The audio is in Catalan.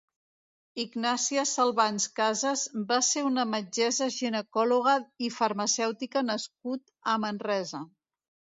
Ignacia Salvans Casas va ser un metgessa ginecòloga i farmacèutica nascut a Manresa.